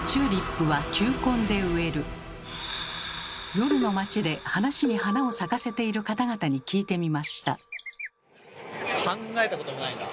夜の街で話に花を咲かせている方々に聞いてみました。